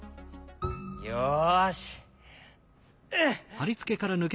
よし！